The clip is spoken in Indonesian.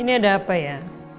ini ada apa ya